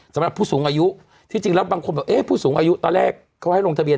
สำหรับผู้สูงอายุที่จริงแล้วบางคนบอกเอ๊ะผู้สูงอายุตอนแรกเขาให้ลงทะเบีย